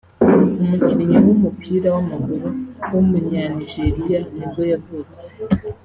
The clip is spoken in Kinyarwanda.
umukinnyi w’umupira w’amaguru w’umunyanigeriya ni bwo yavutse